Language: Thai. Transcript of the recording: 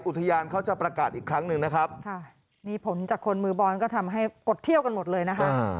อุทยานเขาจะประกาศอีกครั้งหนึ่งนะครับค่ะนี่ผลจากคนมือบอลก็ทำให้กดเที่ยวกันหมดเลยนะคะ